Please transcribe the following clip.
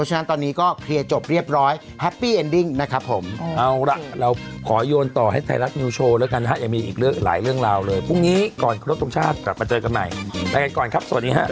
สวัสดีค่ะสวัสดีครับสวัสดีครับ